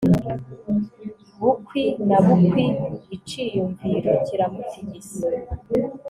Bukwi na bukwi iciyumviro kiramutigisa